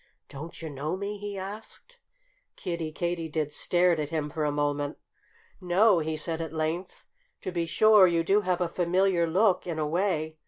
"Don't you know me?" he asked. Kiddie Katydid stared at him for a moment. "No!" he said at length. "To be sure, you do have a familiar look, in a way.